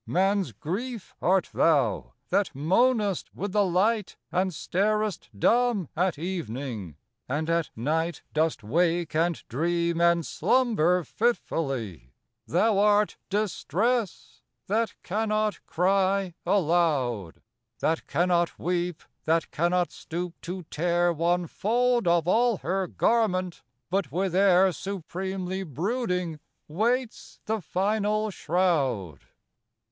Man's Grief art thou, that moanest with the light, And starest dumb at evening — and at night Dost wake and dream and slumber fitfully ! Thou art Distress — ^that cannot cry alou<^ That cannot weep, that cannot stoop to tear One fold of all her garment, but with air Supremely brooding waits the final shroud